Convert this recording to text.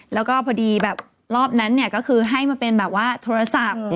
แล้วก็พอดีแบบรอบนั้นเนี่ยก็คือให้มาเป็นแบบว่าโทรศัพท์